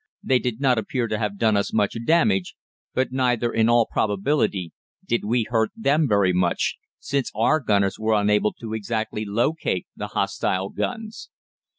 They did not appear to have done us much damage, but neither, in all probability, did we hurt them very much, since our gunners were unable to exactly locate the hostile guns.